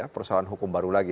persoalan hukum baru lagi